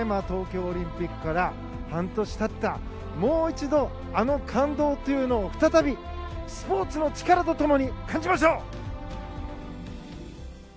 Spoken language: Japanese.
東京オリンピックから半年経ったもう一度あの感動というのを再びスポーツの力と共に感じましょう！